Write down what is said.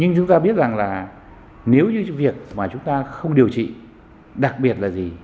nhưng chúng ta biết rằng là nếu như việc mà chúng ta không điều trị đặc biệt là gì